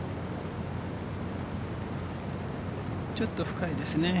ちょっと深いですね。